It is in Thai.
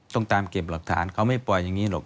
ต้องตามเก็บหลักฐานเขาไม่ปล่อยอย่างนี้หรอก